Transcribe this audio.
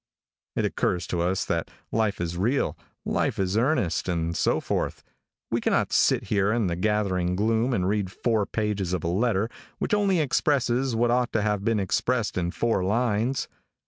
It occurs to us that life is real, life is earnest, and so forth. We cannot sit here in the gathering gloom and read four pages of a letter, which only expresses what ought to have been expressed in four lines.